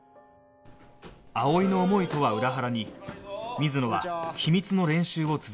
葵の思いとは裏腹に水野は秘密の練習を続けていた